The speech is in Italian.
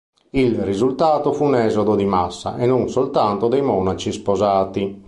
Il risultato fu un esodo di massa, e non soltanto dei monaci sposati.